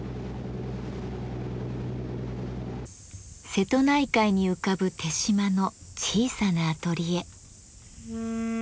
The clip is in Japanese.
瀬戸内海に浮かぶ豊島の小さなアトリエ。